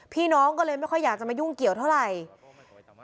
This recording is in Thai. พี่น้องก็เลยไม่ค่อยอยากจะมายุ่งเกี่ยวเท่าไหร่